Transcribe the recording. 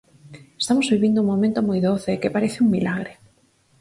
Estamos vivindo un momento moi doce, que parece un milagre.